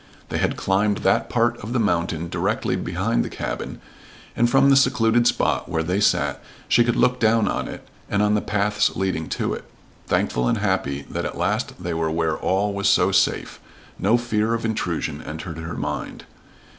They had climbed that part of the mountain directly behind the cabin, and from the secluded spot where they sat she could look down on it and on the paths leading to it; thankful and happy that at last they were where all was so safe, no fear of intrusion entered her mind.